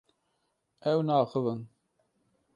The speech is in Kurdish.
Ew naaxivin.